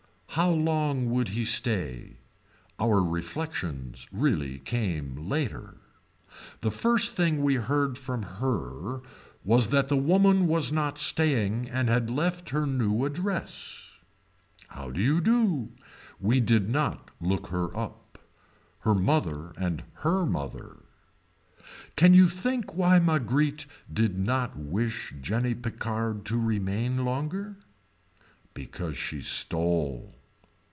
How long would he stay. Our reflections really came later. The first thing we heard from her was that the woman was not staying and had left her new address. How do you do. We did not look her up. Her mother and her mother. Can you think why Marguerite did not wish Jenny Picard to remain longer. Because she stole.